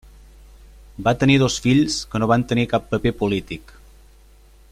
Va tenir dos fills que no van tenir cap paper polític.